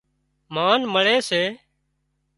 مانَ مۯي سي